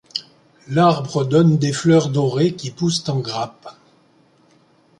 L'arbre donne des fleurs dorées, qui poussent en grappes.